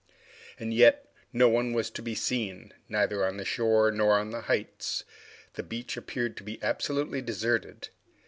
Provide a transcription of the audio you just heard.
And yet no one was to be seen, neither on the shore, nor on the heights. The beach appeared to be absolutely deserted.